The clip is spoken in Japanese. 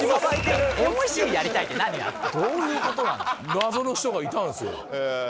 謎の人がいたんすよ。